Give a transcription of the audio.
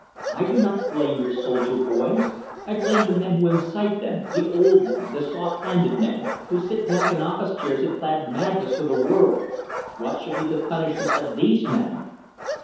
I do not blame your soldier boys. I blame the men who incite them the old men, the soft handed men, who sit back in office chairs and plan madness for the world! What shall be the punishment of these men?"